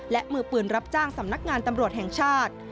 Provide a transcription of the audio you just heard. และมือปืนรับจ้างสำนักงานตำรวจแห่งชาติ